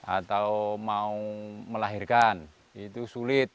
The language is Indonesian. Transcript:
atau mau melahirkan itu sulit